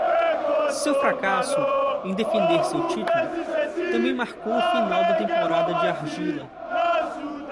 Seu fracasso em defender seu título também marcou o final da temporada de argila.